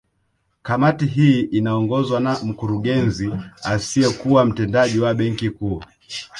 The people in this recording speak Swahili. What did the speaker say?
Kamati hii inaongozwa na Mkurugenzi asiyekuwa Mtendaji wa Benki Kuu